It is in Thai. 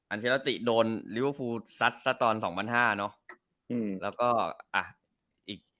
อัญเชฬราติโดนลิเวอร์ฟูซัทซ์ซัทซ์ตอน๒๐๐๕